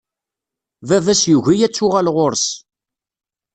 Baba-s yugi ad tuɣal ɣur-s.